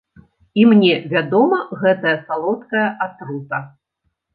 І мне вядома гэта салодкая атрута!